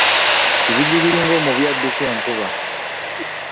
Kibijjigiri ng'omubi adduka enkuba.